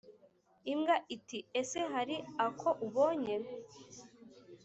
imbwa iti «ese hari ako ubonye?»